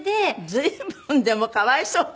随分でもかわいそうだった。